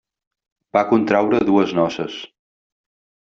Va contraure dues noces.